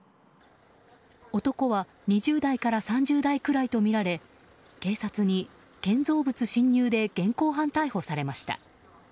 男は、２０代から３０代くらいとみられ警察に建造物侵入で現行犯逮捕されました。